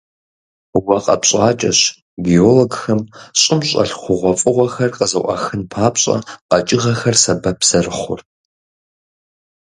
Уэ къэпщӀакӀэщ, геологхэм щӀым щӀэлъ хъугъуэфӀыгъуэхэр къызэӀуахын папщӀэ, къэкӀыгъэхэр сэбэп зэрыхъур.